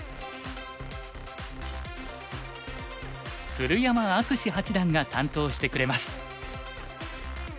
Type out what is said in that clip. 鶴山淳志八段が担当してくれます。